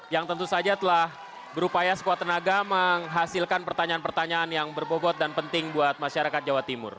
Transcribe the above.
yang tentu saja telah berupaya sekuat tenaga menghasilkan pertanyaan pertanyaan yang berbobot dan penting buat masyarakat jawa timur